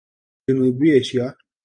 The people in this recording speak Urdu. جنوبی ایشیا